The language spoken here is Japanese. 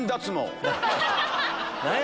何や？